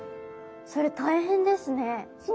それ大変ですね。